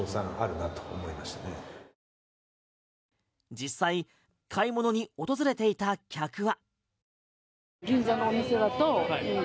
実際買い物に訪れていた客は。